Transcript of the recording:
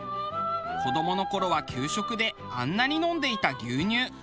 子どもの頃は給食であんなに飲んでいた牛乳。